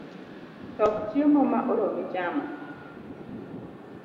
Tok chiemo ma oromi chamo